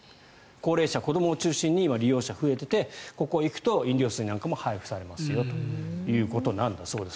高齢者、子どもを中心に今、利用者が増えていてここに行くと飲料水なんかも配布されますよということなんだそうです。